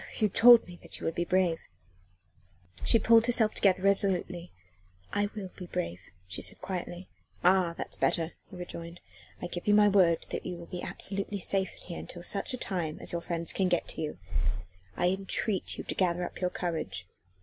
"You told me that you would be brave." She pulled herself together resolutely. "I will be brave," she said quietly. "Ah! that's better," he rejoined. "I give you my word that you will be absolutely safe in here until such time as your friends can get to you. I entreat you to gather up your courage.